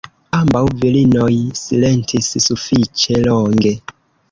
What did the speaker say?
Ambaŭ virinoj silentis sufiĉe longe.